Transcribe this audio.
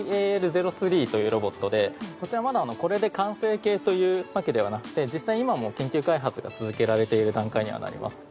ＥＶＡＬ−０３というロボットでこちらまだこれで完成形というわけではなくて実際今も研究開発が続けられている段階にはなります。